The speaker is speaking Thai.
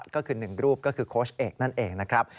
ก็คือ๑รูปก็คือโค้ชเอกนั่นเองนะครับ